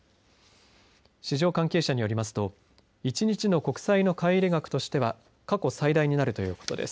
市場関係者によりますと１日の国債の買い入れ額としては過去最大になるということです。